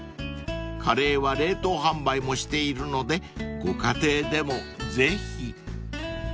［カレーは冷凍販売もしているのでご家庭でもぜひ］